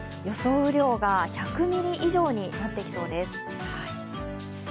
雨量が１００ミリ以上になってきそうです。